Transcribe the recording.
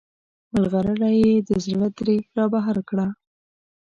مرغلره یې د زړه ترې رابهر کړه.